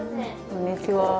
こんにちは